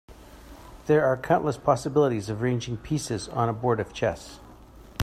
There are countless possibilities of arranging pieces on a board of chess.